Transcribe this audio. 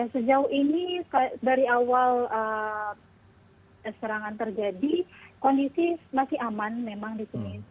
sejauh ini dari awal serangan terjadi kondisi masih aman memang di sini